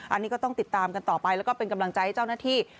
อันนี้ก็ต้องติดตามกันต่อไปแล้วก็เป็นกำลังใจให้เจ้าหน้าที่